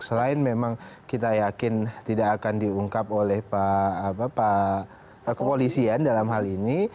selain memang kita yakin tidak akan diungkap oleh pak kepolisian dalam hal ini